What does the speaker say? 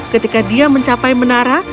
ketika dia mencapai menara